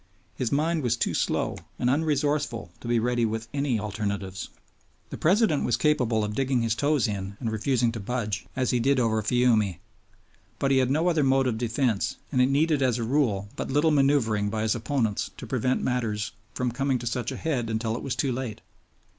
His mind was too slow and unresourceful to be ready with any alternatives. The President was capable of digging his toes in and refusing to budge, as he did over Fiume. But he had no other mode of defense, and it needed as a rule but little manoeuvering by his opponents to prevent matters from coming to such a head until it was too late.